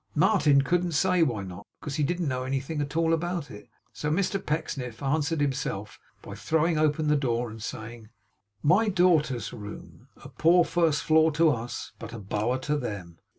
Martin couldn't say why not, because he didn't know anything at all about it. So Mr Pecksniff answered himself, by throwing open the door, and saying: 'My daughters' room. A poor first floor to us, but a bower to them.